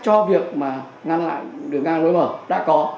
cho việc mà ngăn lại đường ngang lối mở đã có